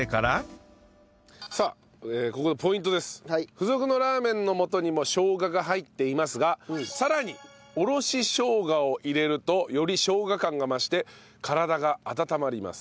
付属のラーメンの素にも生姜が入っていますがさらにおろし生姜を入れるとより生姜感が増して体が温まります。